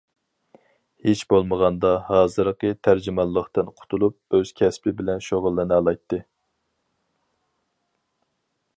ھېچ بولمىغاندا ھازىرقى تەرجىمانلىقتىن قۇتۇلۇپ ئۆز كەسپى بىلەن شۇغۇللىنالايتتى.